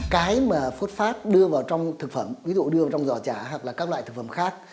cái mà phốt phát đưa vào trong thực phẩm ví dụ đưa trong giỏ chả hoặc là các loại thực phẩm khác